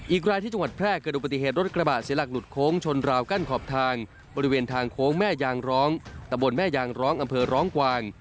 อีกรายที่จังหวัดแพร่เกิดอุบัติเหตุรถกระบะเสียหลักหลุดโค้งชนราวกั้นขอบทางบริเวณทางโค้งแม่ยางร้องตะบนแม่ยางร้องอำเภอร้องกวาง